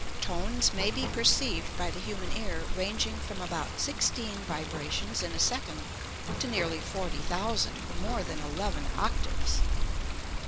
Tones may be perceived by the human ear ranging from about sixteen vibrations in a second to nearly forty thousand, more than eleven octaves.